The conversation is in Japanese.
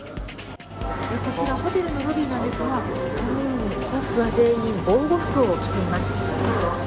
こちらホテルのロビーなんですがこのようにスタッフ全員が防護服を着ています。